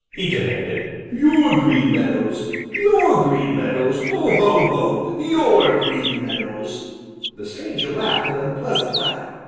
he demanded. "Your Green Meadows! Your Green Meadows! Ho, ho, ho! Your Green Meadows!" The stranger laughed an unpleasant laugh.